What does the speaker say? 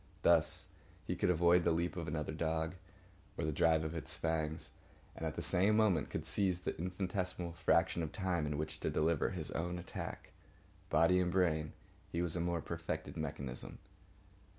Thus, he could avoid the leap of another dog, or the drive of its fangs, and at the same moment could seize the infinitesimal fraction of time in which to deliver his own attack. Body and brain, his was a more perfected mechanism.